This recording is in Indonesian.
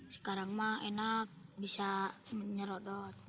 sekarang mah enak bisa menyerodot